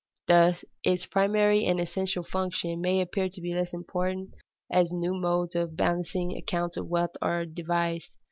_ This, its primary and essential function, may appear to be less important as new modes of balancing accounts of wealth are devised.